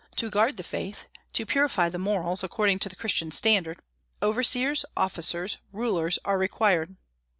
To guard the faith, to purify the morals according to the Christian standard, overseers, officers, rulers are required.